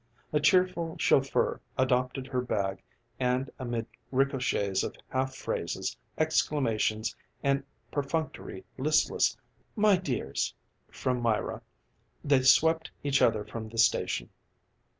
A cheerful chauffeur adopted her bag, and amid ricochets of half phrases, exclamations and perfunctory listless "my dears" from Myra, they swept each other from the station.